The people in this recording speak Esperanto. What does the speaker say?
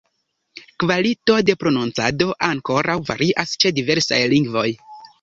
Kvalito de prononcado ankoraŭ varias ĉe diversaj lingvoj.